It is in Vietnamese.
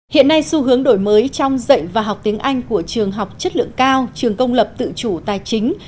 hiện nay xu hướng đổi mới trong dạy và học tiếng anh của trường học chất lượng cao trường công lập tự chủ tài chính